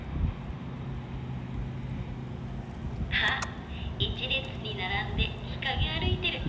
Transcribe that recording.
あっ一列に並んで日陰歩いてる。